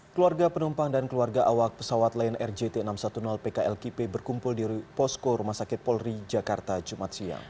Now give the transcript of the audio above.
keluarga penumpang dan keluarga awak pesawat lion air jt enam ratus sepuluh pklkp berkumpul di posko rumah sakit polri jakarta jumat siang